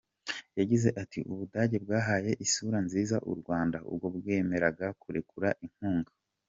Yagize ati “U Budage bwahaye isura nziza u Rwanda ubwo bwemeraga kurekura inkunga.